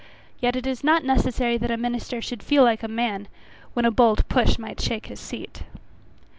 Yet it is not necessary that a minister should feel like a man, when a bold push might shake his seat.